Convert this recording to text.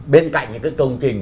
bên cạnh những cái công trình